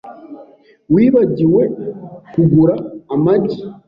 Wibagiwe kugura amagi?